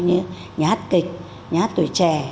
nhà hát kịch nhà hát tuổi trẻ